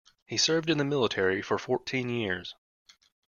He served in the military for fourteen years.